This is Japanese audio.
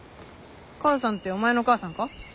母さんってお前の母さんか？